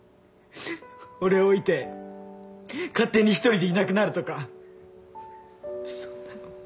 俺を置いて勝手に一人でいなくなるとかそんなの。